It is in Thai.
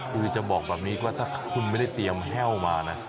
คือจะบอกแบบนี้ว่าถ้าคุณไม่ได้เตรียมแห้วมานะ